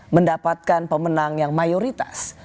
mendapatkan pemenang yang mayoritas